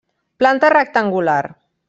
Planta rectangular.